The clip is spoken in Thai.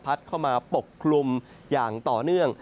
เข้ามาปกคลุมอย่างต่อเนื่อง